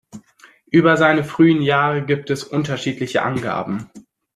Über seine frühen Jahre gibt es unterschiedliche Angaben.